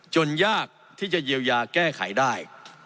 ยากที่จะเยียวยาแก้ไขได้